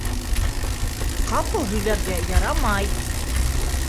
Ҡапыл һөйләргә ярамай.